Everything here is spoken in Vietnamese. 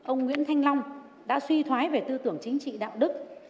ông nguyễn thanh long đã suy thoái về tư tưởng chính trị đạo đức